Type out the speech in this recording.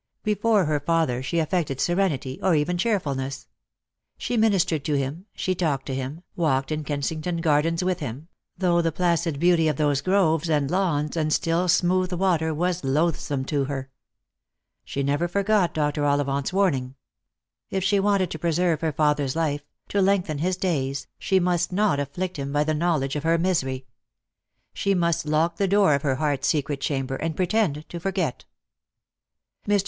Before her father she affected serenity, or even cheerfulness. She ministered to him, she talked to him, walked in Kensington Gardens with him ; though the placid beauty of those groves and lawns and still smooth water was loathsome to her. She never forgot Dr. Ollivant's warning : if she wanted to preserve her father's life, to lengthen his days, she must not afflict him by the knowledge of her misery. She must lock the door of her heart's secret chamber, and pretend to forget. Mr.